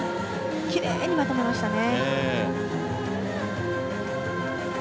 きれいにまとめましたね。